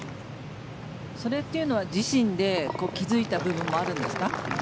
それっていうのは自身で気付いた部分もあるんですか？